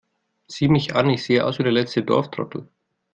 Sieh mich an, ich sehe aus wie der letzte Dorftrottel